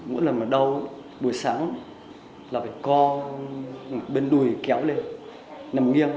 mỗi lần mà đau buổi sáng là phải co bên đùi kéo lên nằm nghiêng